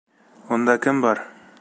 Унда кем бар?